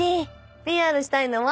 ＰＲしたいのは。